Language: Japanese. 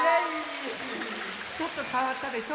ちょっとかわったでしょ？